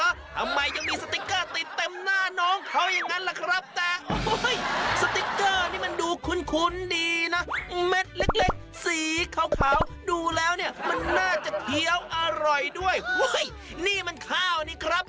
ทำไมยังมีสติกเกอร์ติดเต็มหน้าน้องเขายังนั้นล่ะครับ